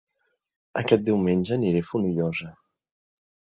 Aquest diumenge aniré a Fonollosa